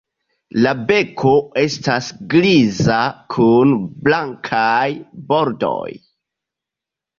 La beko estas griza kun blankaj bordoj.